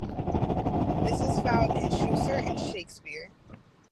This is found in Chaucer and Shakespeare.